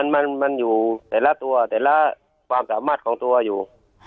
มันอยู่แต่ละตัวแต่ละความสามารถของตัวอยู่